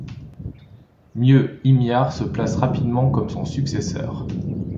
Mieux, Himyar se place rapidement comme son successeur.